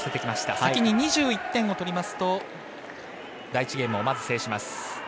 先に２１点を取りますと第１ゲームを、まず制します。